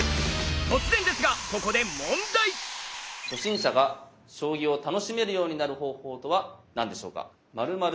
初心者が将棋を楽しめるようになる方法とは何でしょうか？